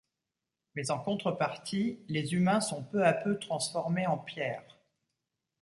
Mais en contrepartie, les humains sont peu à peu transformés en pierre.